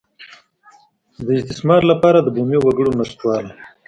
د استثمار لپاره د بومي وګړو نشتوالی.